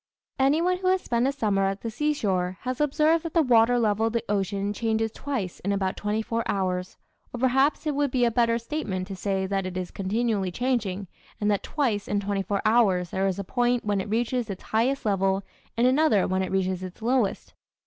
Anyone who has spent a summer at the seashore has observed that the water level of the ocean changes twice in about twenty four hours, or perhaps it would be a better statement to say that it is continually changing and that twice in twenty four hours there is a point when it reaches its highest level and another when it reaches its lowest.